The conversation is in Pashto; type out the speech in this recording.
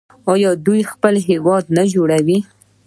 آیا دوی خپل هیواد نه جوړوي؟